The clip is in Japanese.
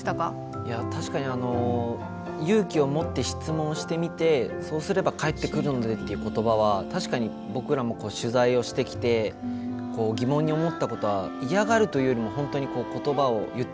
いや確かに勇気をもって質問してみてそうすれば返ってくるのでっていう言葉は確かに僕らも取材をしてきて疑問に思ったことは嫌がるというよりも本当に言葉を言ってくれるんですよ。